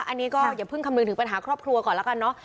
อันนี้ก็อย่าเพิ่งคำนึงถึงปัญหาครอบครัวก่อนแล้วกันเนอะ